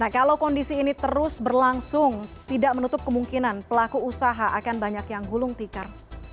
nah kalau kondisi ini terus berlangsung tidak menutup kemungkinan pelaku usaha akan banyak yang gulung tikar